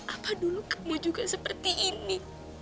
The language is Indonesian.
apa dulu kamu juga seperti ini